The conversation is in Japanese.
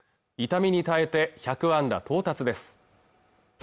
痛みに耐えて１００安打到達です